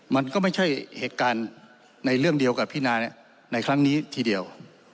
มันก็ไม่ใช่เหตุการณ์ในเรื่องเดียวกับพินาในครั้งนี้ทีเดียว